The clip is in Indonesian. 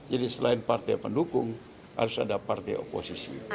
jadi selain partai pendukung harus ada partai oposisi